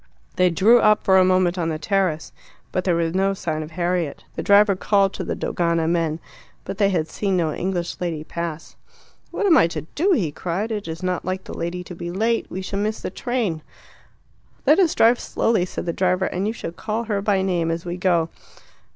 They drew up for a moment on the terrace. But there was no sign of Harriet. The driver called to the Dogana men. But they had seen no English lady pass. "What am I to do?" he cried; "it is not like the lady to be late. We shall miss the train." "Let us drive slowly," said the driver, "and you shall call her by name as we go."